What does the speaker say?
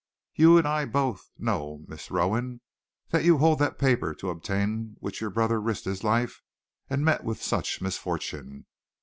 You and I both know, Miss Rowan, that you hold that paper to obtain which your brother risked his life and met with such misfortune.